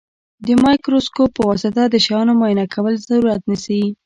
د مایکروسکوپ په واسطه د شیانو معاینه کول صورت نیسي.